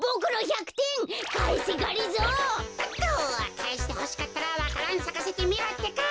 かえしてほしかったらわか蘭さかせてみろってか。